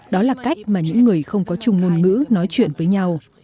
đó là cách mà những người không có chung ngôn ngữ nói chuyện với nhau